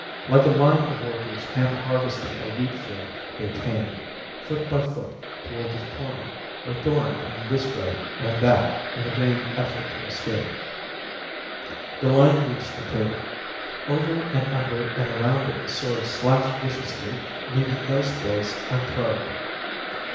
Like a line of workers hand harvesting a wheat field they came foot by foot toward the corner where Thorn turned this way and that in a vain effort to escape. The line reached the table. Over and under and around it the swords slashed viciously, leaving no space unprobed.